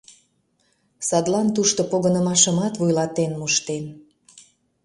Садлан тушто погынымашымат вуйлатен моштен.